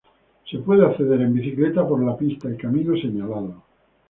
Se puede acceder en bicicleta por las pistas y caminos señalados.